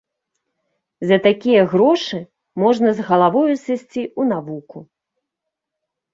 За такія грошы можна з галавою сысці у навуку.